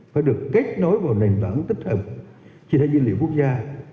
phải được kết nối vào nền tảng tích hợp chia sẻ dữ liệu quốc gia